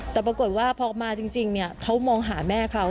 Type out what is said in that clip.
แต่ปรากฏว่าพอมาจริงเขามองหาแม่เขา